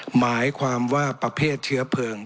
หมายความว่าประเภทเชื้อเพลิง